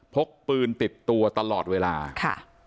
พกปืนติดตัวตลอดเวลาค่ะ